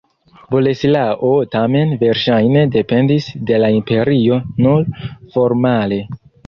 Boleslao tamen verŝajne dependis de la imperio nur formale.